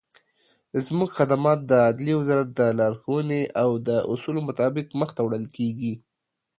زموږخدمات دعدلیي وزارت دلارښووني او داصولو مطابق مخته وړل کیږي.